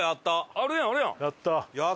あるやんあるやん。